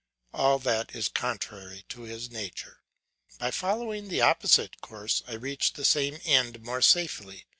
All that is contrary to nature. By following the opposite course I reach the same end more safely.